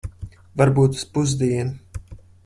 Varbūt uz pusdienu.